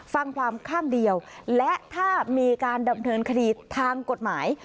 ฟังความข้างเดียวและถ้ามีการดำเนินคดีทางกฎหมาย